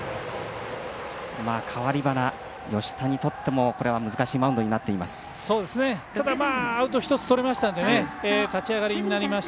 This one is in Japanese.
代わり端、吉田にとってもこれは難しいマウンドになっています。